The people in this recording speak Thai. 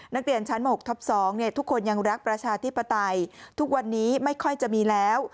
นักเรียนชั้น๖ทับ๒ทุกคนยังรักประชาธิปไตยทุกวันนี้ไม่ค่อยจะมีแล้ว